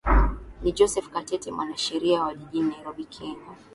ni joseph katete mwanasheria wa jijini nairobi kenya